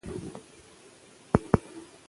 ویښتې په غیر صحي چاپېریال کې زیانمن کېږي.